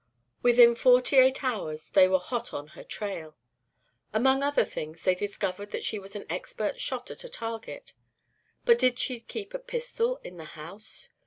Within forty eight hours they were hot on her trail. Among other things, they discovered that she was an expert shot at a target; but did she keep a pistol in the house?